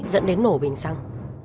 dẫn đến nổ bình xăng